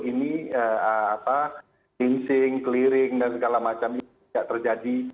ini gringsing clearing dan segala macam ini tidak terjadi